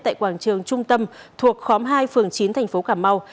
tại quảng trường trung tâm thuộc khóm hai phường chín thành phố cà mau